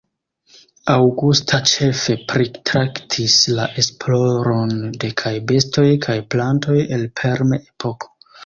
Augusta ĉefe pritraktis la esploron de kaj bestoj kaj plantoj el perm-epoko.